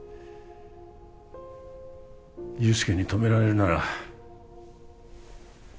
憂助に止められるなら